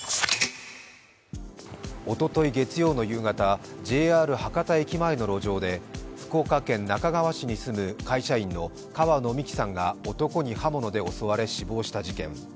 おととい月曜の夕方、ＪＲ博多駅前の路上で、福岡県那珂川市に住む会社員の川野美樹さんが男に刃物で襲われ死亡した事件。